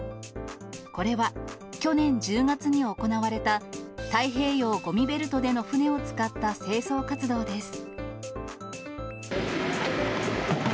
これは去年１０月に行われた、太平洋ごみベルトでの、船を使った清掃活動です。